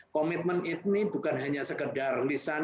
komitmen ini bukan hanya sekedar lisan